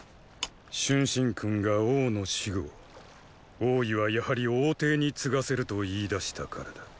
春申君が王の死後王位はやはり王弟に継がせると言いだしたからだ。